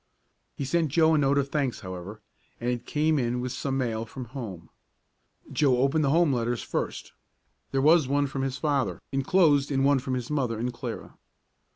He sent Joe a note of thanks, however, and it came in with some mail from home. Joe opened the home letters first. There was one from his father, enclosed in one from his mother and Clara.